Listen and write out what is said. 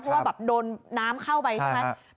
เพราะว่าแบบโดนน้ำเข้าไปใช่ไหม